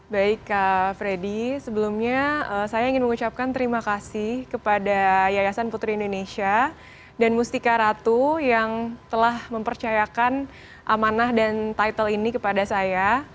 baik kak freddy sebelumnya saya ingin mengucapkan terima kasih kepada yayasan putri indonesia dan mustika ratu yang telah mempercayakan amanah dan title ini kepada saya